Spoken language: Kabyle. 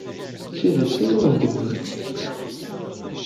D tidet ay awent-d-nniɣ.